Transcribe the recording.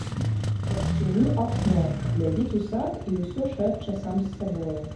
Расчыніў акно, глядзіць у сад і ўсё шэпча сам з сабою.